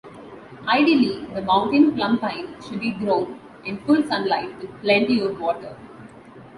Ideally the mountain plum-pine should be grown in full sunlight with plenty of water.